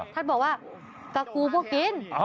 ท่านบอกว่าตะกูพวกกิน